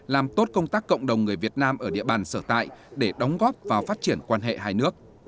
làm tốt công tác cộng đồng người việt nam ở địa bàn sở tại để đóng góp vào phát triển quan hệ hai nước